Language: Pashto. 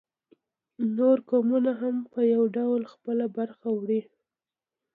نور قومونه هم په یو ډول خپله برخه وړي